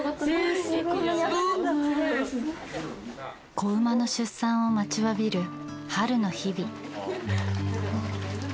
子馬の出産を待ちわびる春の日々。